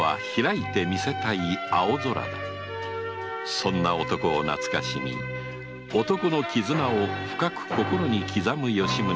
そんな男を懐しみ男の絆を深く心に刻む吉宗であった